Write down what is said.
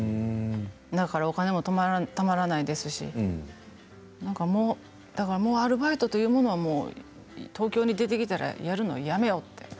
だから、お金もたまらないですしだからもうアルバイトというものは東京に出てきたらやるのはやめようって。